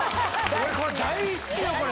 俺これ大好きよこれ。